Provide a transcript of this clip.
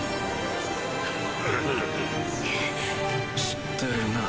知ってるな？